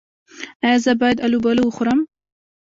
ایا زه باید الوبالو وخورم؟